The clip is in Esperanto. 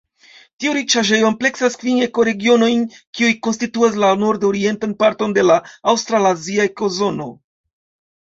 Tiu riĉaĵejo ampleksas kvin ekoregionojn kiuj konstituas la nordorientan parton de la aŭstralazia ekozono.